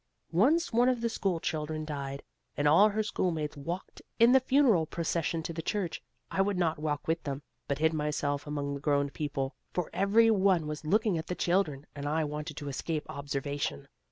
Once one of the school children died, and all her schoolmates walked in the funeral procession to the church. I would not walk with them, but hid myself among the grown people; for every one was looking at the children and I wanted to escape observation.